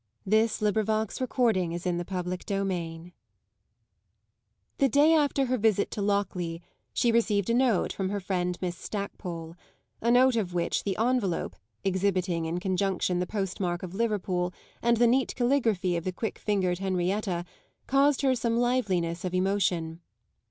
It came from a certain fear. CHAPTER X The day after her visit to Lockleigh she received a note from her friend Miss Stackpole a note of which the envelope, exhibiting in conjunction the postmark of Liverpool and the neat calligraphy of the quick fingered Henrietta, caused her some liveliness of emotion.